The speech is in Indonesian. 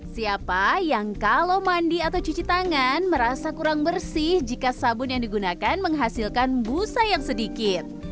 siapa yang kalau mandi atau cuci tangan merasa kurang bersih jika sabun yang digunakan menghasilkan busa yang sedikit